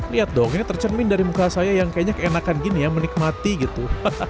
lihat dong ini tercermin dari muka saya yang kayaknya keenakan gini ya menikmati gitu